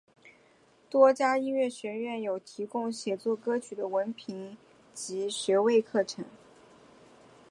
多家音乐学院有提供写作歌曲的文凭及学位课程。